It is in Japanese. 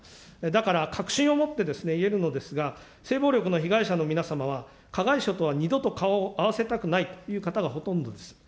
だから確信を持って言えるのですが、性暴力の被害者の皆様は、加害者とは二度と顔を合わせたくないという方がほとんどです。